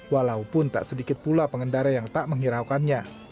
walaupun tak sedikit pula pengendara yang tak menghiraukannya